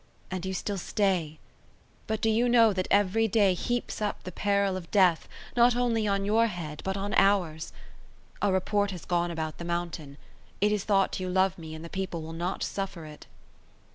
And you still stay. But do you know, that every day heaps up the peril of death, not only on your head, but on ours? A report has gone about the mountain; it is thought you love me, and the people will not suffer it."